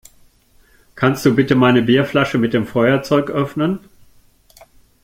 Kannst du bitte meine Bierflasche mit dem Feuerzeug öffnen?